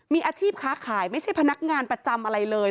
มีอาชีพค้าขายไม่ใช่พนักงานประจำอะไรเลย